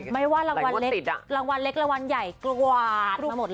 ไม่ว่ารางวัลเล็กใหญ่กับกวาด